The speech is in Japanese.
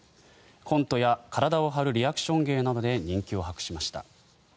コントや体を張るリアクション芸などで人気を博しました。